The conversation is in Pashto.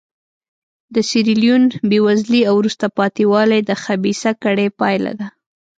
د سیریلیون بېوزلي او وروسته پاتې والی د خبیثه کړۍ پایله ده.